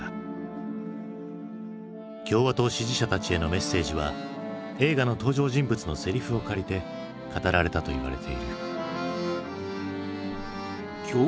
共和党支持者たちへのメッセージは映画の登場人物のセリフを借りて語られたといわれている。